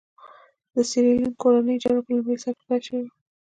د سیریلیون کورنۍ جګړه په لومړي سر کې پیل شوې وه.